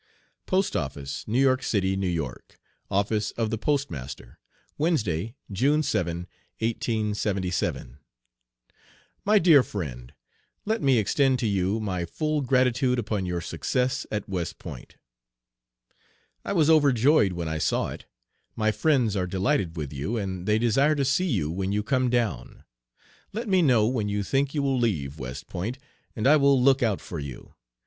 POST OFFICE, NEW YORK CITY, N. Y. OFFICE OF THE POSTMASTER, Wednesday, June 7, 1877. MY DEAR FRIEND: Let me extend to you my full gratitude upon your success at West Point. I was overjoyed when I saw it. My friends are delighted with you, and they desire to see you when you come down. Let me know when you think you will leave West Point, and I will look out for you.